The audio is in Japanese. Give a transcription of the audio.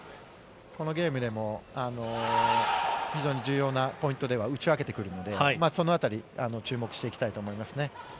このゲームでも非常に重要なポイントでは打ち分けてくるので、そのあたり、注目していきたいと思います。